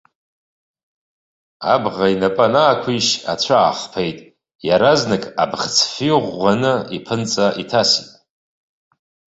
Абӷа инапы аннықәишь, ацәа аахԥеит, иаразнак аԥхӡы-фҩы ӷәӷәаны иԥынҵа иҭаст.